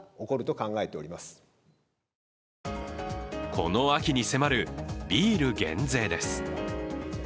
この秋に迫るビール減税です。